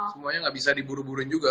semuanya gak bisa diburu buruin juga